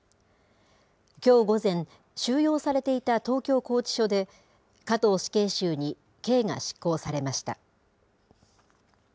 きょう午前、収容されていた東京拘置所で、加藤死刑囚に刑が執行されました。